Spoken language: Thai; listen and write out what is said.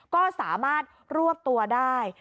ก็สามารถรวบตัวได้